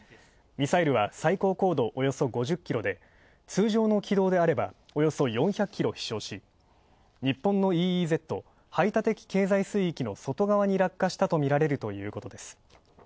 ミサイルは最高高度およそ５０ｋｍで通常の軌道であれば、およそ４００ｋｍ飛翔し日本のＥＥＺ＝排他的経済水域の外側に落下したと見られるということです。